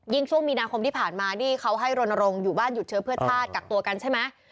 ช่วงมีนาคมที่ผ่านมานี่เขาให้รณรงค์อยู่บ้านหยุดเชื้อเพื่อชาติกักตัวกันใช่ไหม